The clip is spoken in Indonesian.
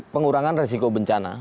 pengurangan resiko bencana